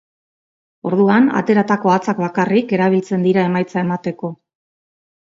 Orduan, ateratako hatzak bakarrik erabiltzen dira emaitza emateko.